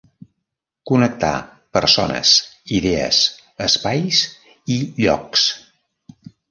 Connectar persones, idees, espais i llocs.